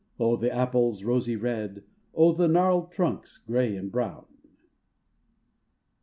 O the apples rosy red, O the gnarled trunks grey and brown.